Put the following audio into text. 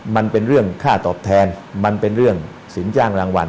มันเป็นเรื่องค่าตอบแทนมันเป็นเรื่องสินจ้างรางวัล